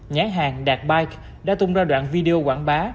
nhãn hàng đạt bike đã tung ra đoạn video quảng bá